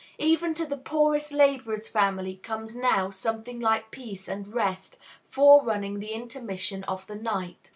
Even to the poorest laborer's family comes now something like peace and rest forerunning the intermission of the night.